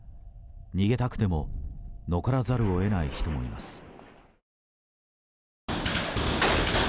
逃げたくても残らざるを得ない人もいます。